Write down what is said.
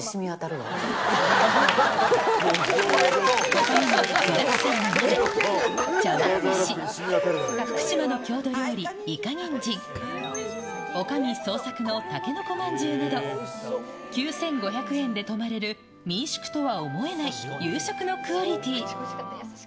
ほかにも具だくさんの鍋、茶わん蒸し、福島の郷土料理、いかにんじん、おかみ創作のタケノコまんじゅうなど、９５００円で泊まれる民宿とは思えない夕食のクオリティー。